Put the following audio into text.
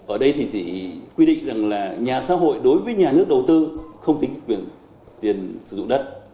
ở đây thì chị quy định rằng là nhà xã hội đối với nhà nước đầu tư không tính quyền tiền sử dụng đất